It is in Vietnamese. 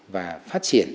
và phát triển